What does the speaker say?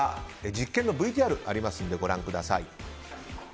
実験のＶＴＲありますのでご覧ください。